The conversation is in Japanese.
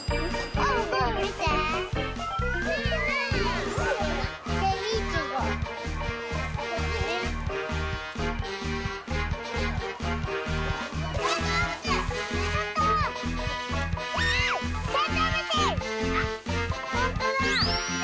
ほんとだあ。